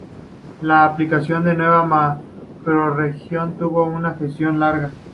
La ampliación de la nueva macrorregión tuvo una gestación larga.